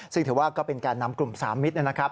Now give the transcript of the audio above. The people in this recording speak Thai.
ซึ่งถือว่าก็เป็นแก่นำกลุ่มสามมิตรนะครับ